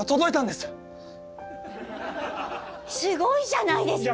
すごいじゃないですか！